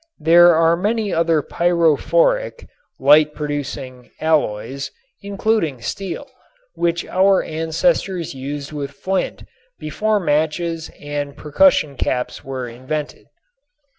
There are many other pyrophoric (light producing) alloys, including steel, which our ancestors used with flint before matches and percussion caps were invented.